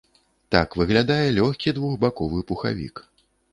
Так выглядае лёгкі двухбаковы пухавік.